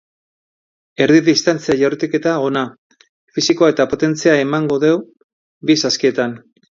Erdi distantzia jaurtiketa ona, fisikoa eta potentzia emango du bi saskietan.